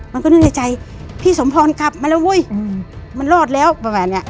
มันก็นึกในใจพี่สมพลกลับมาแล้วมันรอดแล้วแบบแบบเนี้ย